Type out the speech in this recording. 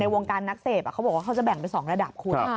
วงการนักเสพเขาบอกว่าเขาจะแบ่งเป็น๒ระดับคุณ